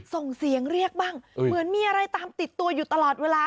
ส่งเสียงเรียกบ้างเหมือนมีอะไรตามติดตัวอยู่ตลอดเวลา